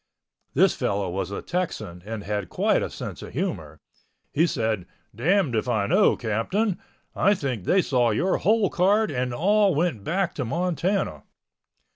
This fellow was a Texan and had quite a sense of humor. He said, "Damned if I know, Captain. I think they saw your hole card and all went back to Montana."